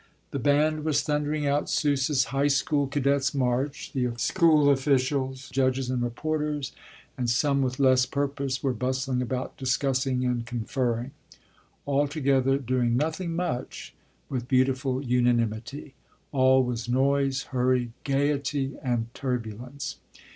The band was thundering out Sousa's "High School Cadet's March," the school officials, the judges, and reporters, and some with less purpose were bustling about discussing and conferring. Altogether doing nothing much with beautiful unanimity. All was noise, hurry, gaiety, and turbulence.